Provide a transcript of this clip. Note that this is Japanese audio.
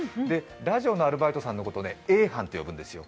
ラジオのアルバイトさんのことをＡ班と呼ぶんですよ。